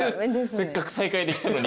せっかく再会できたのに。